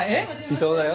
伊東だよ。